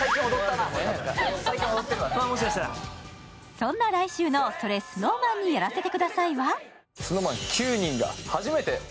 そんな来週の「それＳｎｏｗＭａｎにやらせて下さい」は？